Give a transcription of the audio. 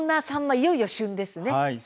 いよいよ旬ですね。